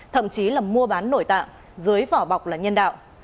thậm chí là mua bán nội tạng dưới vỏ bọc là nhân đạo